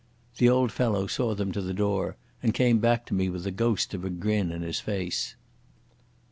The old fellow saw them to the door, and came back to me with the ghost of a grin in his face.